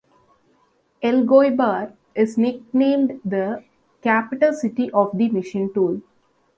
Elgoibar is nicknamed the "capital city of the Machine tool".